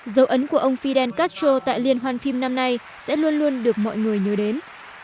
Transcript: dấu ấn của ông fidel castro tại liên hoàn phim năm nay sẽ luôn luôn được mọi người nhớ đến